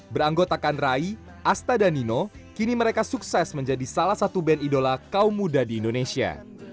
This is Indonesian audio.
beranggotakan rai asta dan nino kini mereka sukses menjadi salah satu band idola kaum muda di indonesia